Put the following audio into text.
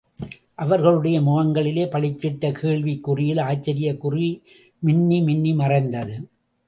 அவர்களுடைய முகங்களிலே பளிச்சிட்ட கேள்விக்குறியில் ஆச்சரியக்குறி மின்னிமின்னி மறைந்தது.